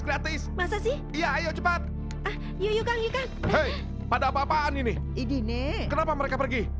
gratis masa sih iya ayo cepat yuk yuk kak yuk kak pada apa apaan ini ini kenapa mereka pergi